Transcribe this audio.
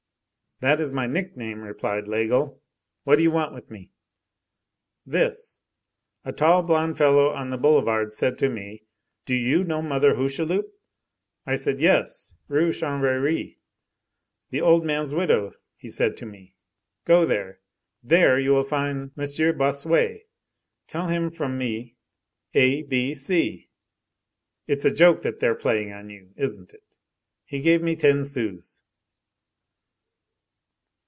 "That is my nickname," replied Laigle. "What do you want with me?" "This. A tall blonde fellow on the boulevard said to me: 'Do you know Mother Hucheloup?' I said: 'Yes, Rue Chanvrerie, the old man's widow;' he said to me: 'Go there. There you will find M. Bossuet. Tell him from me: "A B C".' It's a joke that they're playing on you, isn't it. He gave me ten sous."